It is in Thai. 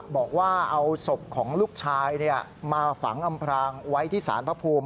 บอกว่าเอาศพของลูกชายมาฝังอำพรางไว้ที่สารพระภูมิ